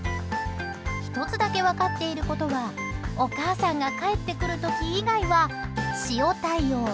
１つだけ分かっていることはお母さんが帰ってくる時以外は塩対応。